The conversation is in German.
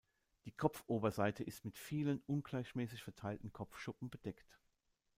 Die Kopfoberseite ist mit vielen ungleichmäßig verteilten Kopfschuppen bedeckt.